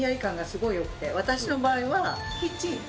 私の場合は。